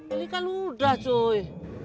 ini kan udah cuy